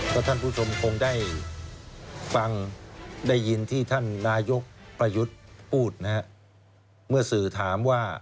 ก็ท่านผู้ชมคงได้ฟังได้ยินที่ท่านนายกประยุทธ์พูดนะฮะเมื่อสื่อถามว่า